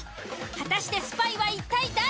果たしてスパイは一体誰？